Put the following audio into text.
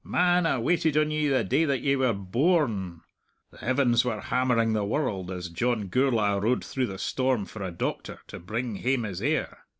Man, I waited on ye the day that ye were bo orn! The heavens were hammering the world as John Gourla' rode through the storm for a doctor to bring hame his heir.